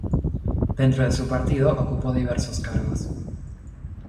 Dentro de su partido ocupó diversos cargos.